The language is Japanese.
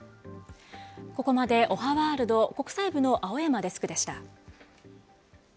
ここまでおはワールド、国際部の青山デスクでした。